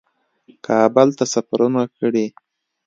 کابل ته سفرونه کړي